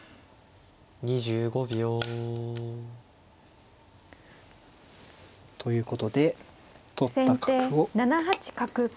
２５秒。ということで取った角を埋めました。